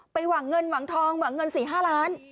หวังเงินหวังทองหวังเงิน๔๕ล้าน